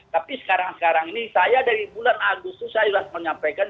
tapi sekarang sekarang ini saya dari bulan agustus saya sudah menyampaikan